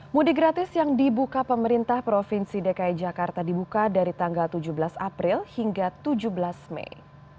mudik gratis yang dibuka pemerintah provinsi dki jakarta dibuka dari tanggal tujuh belas april hingga tujuh belas mei